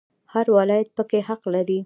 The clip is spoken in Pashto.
هر ولایت پکې حق لري